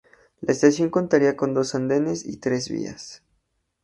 La estación contaría con dos andenes y tres vías.